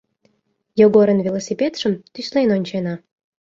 Йогорын велосипедшым тӱслен ончена.